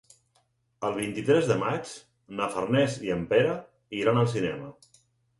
El vint-i-tres de maig na Farners i en Pere iran al cinema.